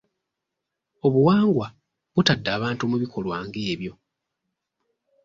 Obuwangwa butadde abantu mu bikolwa nga ebyo.